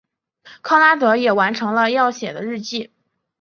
康拉德也完成了要写的日记。